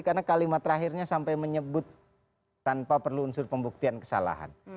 karena kalimat terakhirnya sampai menyebut tanpa perlu unsur pembuktian kesalahan